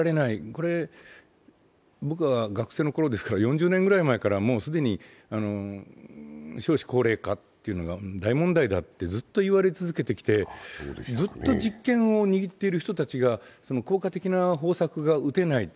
これ、僕は学生の頃ですから４０年ぐらい前からもう既に少子高齢化が大問題だとずっと言われ続けていてずっと実権を握ってる人たちが効果的な方策が打てない。